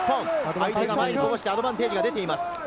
相手が前にこぼしてアドバンテージが出ています。